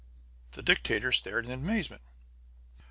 The dictator stared in amazement.